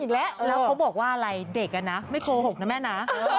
อีกแล้วแล้วเขาบอกว่าอะไรเด็กนะไม่โกหกนะแม่นะ